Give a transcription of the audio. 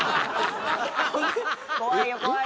怖いよ怖いよ。